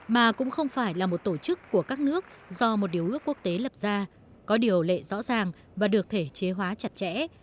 mà cũng không phải là một tổ chức của các nước do một điều ước quốc tế lập ra có điều lệ rõ ràng và được thể chế hóa chặt chẽ